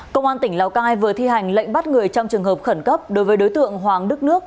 công an tỉnh lào cai vừa thi hành lệnh bắt người trong trường hợp khẩn cấp đối với đối tượng hoàng đức nước